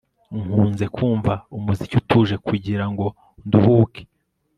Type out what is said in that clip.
Nkunze kumva umuziki utuje kugirango nduhuke